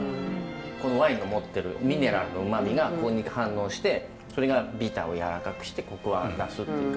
このワインの持ってるミネラルのうまみがここに反応してそれがビターを柔らかくしてコクを出すっていうか。